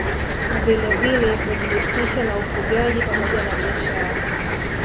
Vilevile hujihusisha na ufugaji pamoja na biashara